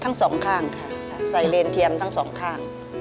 ทั้งสองข้างค่ะใส่เลนเทียมทั้งสองข้าง